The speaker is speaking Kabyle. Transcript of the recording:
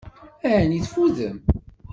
Ɛni tfudem?